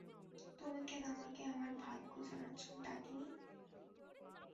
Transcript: তুমি কেন আমাকে আমার ভাগ্য জানাচ্ছ, ডাকিনী?